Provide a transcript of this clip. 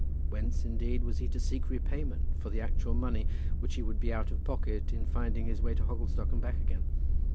Whence, indeed, was he to seek repayment for the actual money which he would be out of pocket in finding his way to Hogglestock and back again?